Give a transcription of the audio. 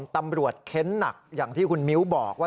เค้นหนักอย่างที่คุณมิ้วบอกว่า